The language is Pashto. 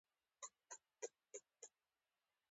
په واڼه کښې د مدرسې ناظم ويل.